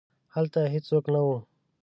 هلته هیڅوک نه وو.